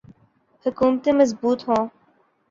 حکومتیں مضبوط ہوں۔